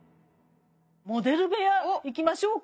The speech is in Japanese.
モデル部屋いきましょうか。